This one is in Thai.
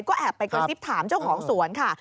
ก็แอบไปกระซิบถามเจ้าของสวนค่ะ